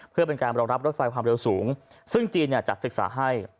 เพื่อเป็นการรองรับรถไฟความเร็วสูงซึ่งจีนจัดศึกษาให้